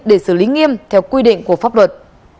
để xử lý nghiêm theo quy định của pháp luật